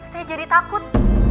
saya jadi takut